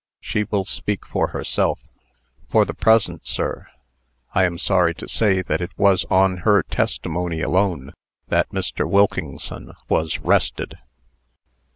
She will speak for herself. For the present, sir, I am sorry to say that it was on her testimony alone that Mr. Wilkingson was 'rested."